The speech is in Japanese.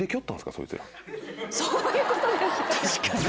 そういうことです。